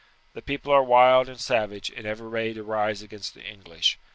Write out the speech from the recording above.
The people are wild and savage, and ever ready to rise against the English.